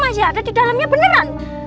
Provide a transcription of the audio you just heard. masih ada di dalamnya beneran